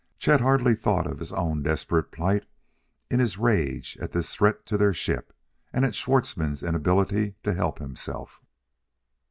Chet hardly thought of his own desperate plight in his rage at this threat to their ship, and at Schwartzmann's inability to help himself.